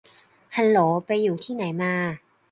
ฮัลโหล ไปอยู่ที่ไหนมา